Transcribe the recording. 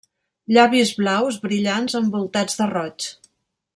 Llavis blaus brillants envoltats de roig.